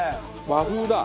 和風だ。